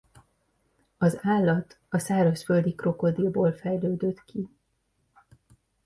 Az állat a szárazföldi krokodilból fejlődött ki.